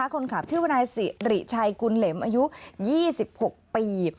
คนขับชื่อบรายศรีชัยกุณเหลมปี๒๖ปี